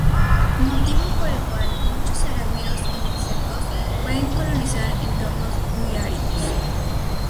Motivo por el cual muchos arácnidos e insectos pueden colonizar entornos muy áridos.